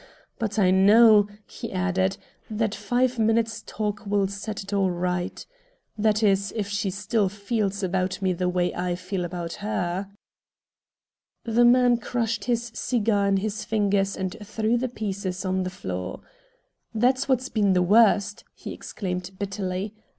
But I know," he added, "that five minutes' talk will set it all right. That is, if she still feels about me the way I feel about her." The man crushed his cigar in his fingers and threw the pieces on the floor. "That's what's been the worst!" he exclaimed bitterly.